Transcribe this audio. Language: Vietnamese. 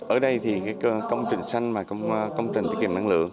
ở đây thì công trình xanh và công trình tiết kiệm năng lượng